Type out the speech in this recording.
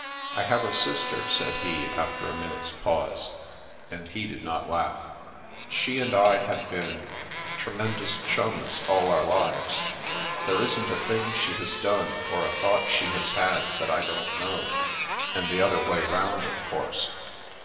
" I have a sister," said he, after a minute's pause. And he did not laugh. " She and I have been — tremendous chums all our lives. There isn't a thing she has done, or a thought she has had, that I don't know, and the other way round, of course."